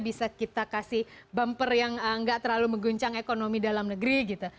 bisa kita kasih bumper yang nggak terlalu mengguncang ekonomi dalam negeri gitu